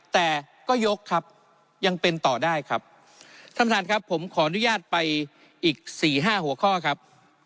แต่ก็ยกครับยังเป็นต่อได้ครับท่านประธานครับผมขออนุญาตไปอีกสี่ห้าหัวข้อครับ